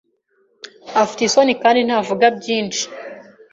Afite isoni kandi ntavuga byinshi.